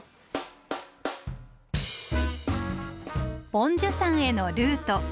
梵珠山へのルート。